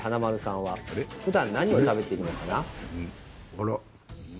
あら？